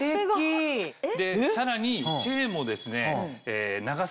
さらにチェーンもですね。